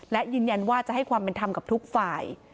และยืนยันว่าจะให้ความเป็นธรรมกับทุกฝ่าย